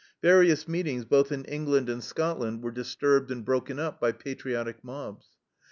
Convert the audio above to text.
Various meetings, both in England and Scotland, were disturbed and broken up by patriotic mobs.